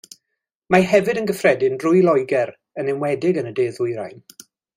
Mae hefyd yn gyffredin drwy Loegr yn enwedig yn y De Ddwyrain.